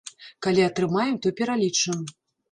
Калі атрымаем, то пералічым.